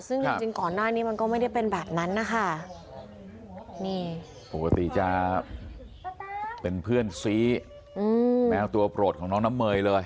ซึ่งจริงก่อนหน้านี้มันก็ไม่ได้เป็นแบบนั้นนะคะนี่ปกติจะเป็นเพื่อนซีแมวตัวโปรดของน้องน้ำเมยเลย